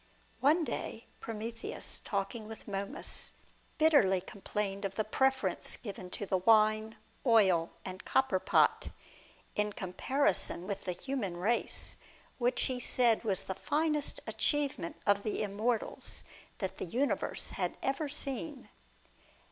One day Prometheus, talking with Momus, bitterly complained of the preference given to the wine, oil, and copper pot, in comparison with the human race, which he said was the finest achievement of the immortals that the universe had ever seen.